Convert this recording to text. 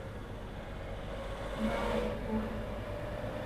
ضاع يربوعي.